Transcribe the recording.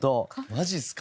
マジっすか。